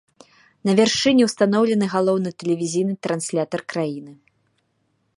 На вяршыні ўстаноўлены галоўны тэлевізійны транслятар краіны.